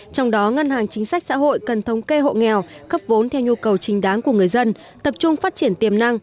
trong đó ngân hàng chính sách xã hội cần thống kê hộ nghèo cấp vốn theo nhu cầu trình đáng của người dân tập trung phát triển tiềm năng